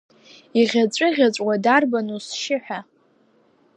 Иӷьаҵәыӷьаҵәуа дарбану сшьы ҳәа?